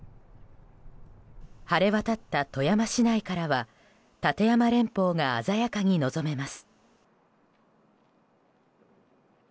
晴れ渡った富山市内からは立山連峰が鮮やかに望めます。